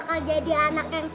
yaudah kalian masuk ya